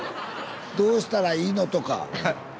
「どうしたらいいの？」とか。